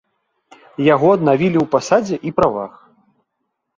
Яго аднавілі ў пасадзе і правах.